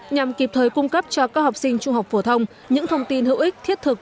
nhằm kịp thời cung cấp cho các học sinh trung học phổ thông những thông tin hữu ích thiết thực